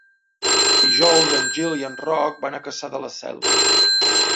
Dijous en Gil i en Roc van a Cassà de la Selva.